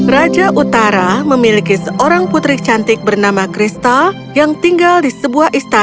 raja utara memiliki seorang putri cantik bernama kristal yang tinggal di sebuah istana